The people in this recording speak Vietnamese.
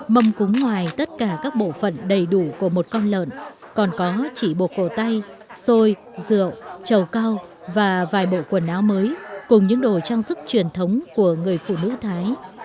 mầm cúng ngoài tất cả các bộ phận đầy đủ của một con lợn còn có chỉ bộ cổ tay xôi rượu chầu cao và vài bộ quần áo mới cùng những đồ trang sức truyền thống của người phụ nữ thái